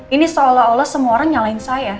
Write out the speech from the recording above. ini seolah olah semua orang nyalahin saya